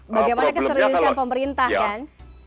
bagaimana keseriusan pemerintah kan